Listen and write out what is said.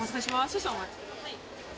少々お待ちください。